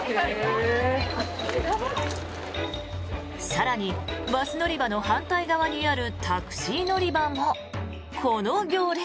更にバス乗り場の反対側にあるタクシー乗り場もこの行列。